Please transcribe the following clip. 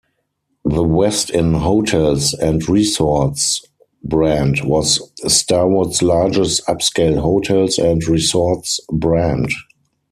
The Westin Hotels and Resorts brand was Starwood's largest upscale hotels and resorts brand.